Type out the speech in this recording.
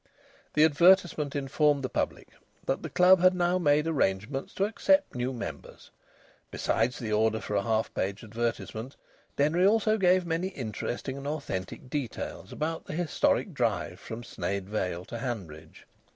The advertisement informed the public that the club had now made arrangements to accept new members. Besides the order for a half page advertisement, Denry also gave many interesting and authentic details about the historic drive from Sneyd Vale to Hanbridge.